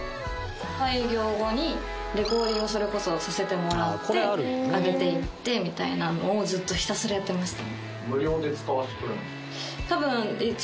営業後にレコーディングをそれこそさせてもらって上げていってみたいなのをずっとひたすらやってました。